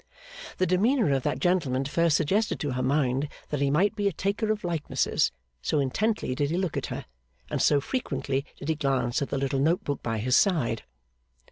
The demeanour of that gentleman at first suggested to her mind that he might be a taker of likenesses, so intently did he look at her, and so frequently did he glance at the little note book by his side.